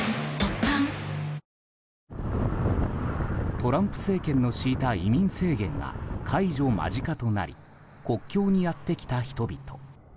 トランプ政権の敷いた移民制限が解除間近となり国境にやってきた人々。